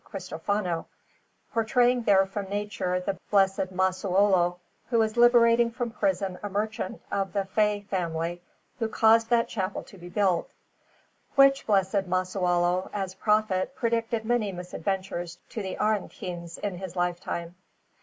Cristofano, portraying there from nature the Blessed Masuolo, who is liberating from prison a merchant of the Fei family, who caused that chapel to be built; which Blessed Masuolo, as prophet, predicted many misadventures to the Aretines in his lifetime.